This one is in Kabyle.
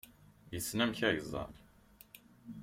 Yessen amek ad yeẓẓal.